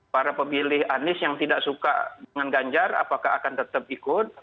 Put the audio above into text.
para pemilih anies yang tidak suka dengan ganjar apakah akan tetap ikut